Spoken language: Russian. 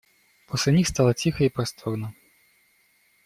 После них стало тихо и просторно.